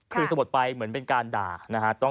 คือสะบดไปเหมือนเป็นการด่านะฮะ